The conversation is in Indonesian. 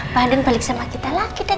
man andang balik sama kita lagi dek